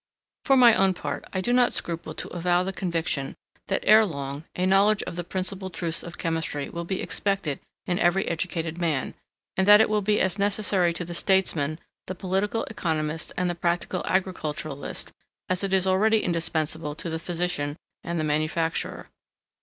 For my own part I do not scruple to avow the conviction, that ere long, a knowledge of the principal truths of Chemistry will be expected in every educated man, and that it will be as necessary to the Statesman, the Political Economist, and the Practical Agriculturist, as it is already indispensable to the Physician, and the Manufacturer.